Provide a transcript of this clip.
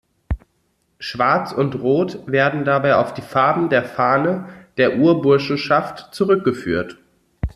Schwarz und Rot werden dabei auf die Farben der Fahne der Urburschenschaft zurückgeführt.